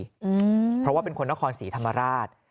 เพราะว่าเป็นคนนครศรีธรรมราช